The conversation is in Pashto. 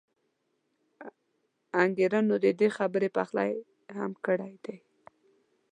انګېرنو د دې خبرې پخلی هم کړی دی.